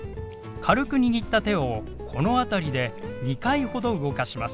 軽く握った手をこの辺りで２回ほど動かします。